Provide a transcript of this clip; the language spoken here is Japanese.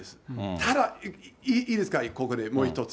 ただいいですか、ここで、もう一つ。